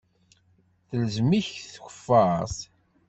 Telzem-ik tkeffart.